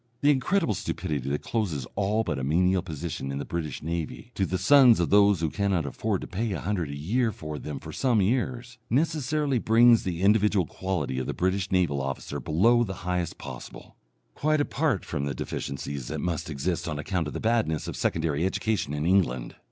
The incredible stupidity that closes all but a menial position in the British Navy to the sons of those who cannot afford to pay a hundred a year for them for some years, necessarily brings the individual quality of the British naval officer below the highest possible, quite apart from the deficiencies that must exist on account of the badness of secondary education in England.